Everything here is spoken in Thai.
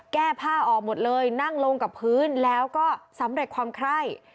แก้ผ้าออกหมดเลยนั่งลงกับพื้นแล้วก็สำเร็จความไคร่